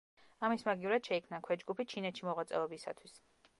ამის მაგივრად შეიქმნა ქვეჯგუფი ჩინეთში მოღვაწეობისათვის.